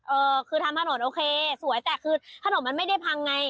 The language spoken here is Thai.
เออคือทำถนนโอเคสวยแต่คือถนนมันไม่ได้พังไง